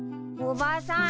おばさん！